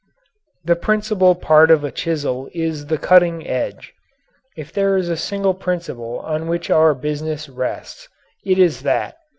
The principal part of a chisel is the cutting edge. If there is a single principle on which our business rests it is that.